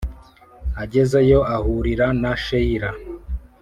agezeyo, ahurira na sheila.